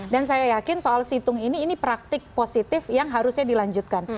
dan saya yakin soal situng ini ini praktik positif yang harusnya dilanjutkan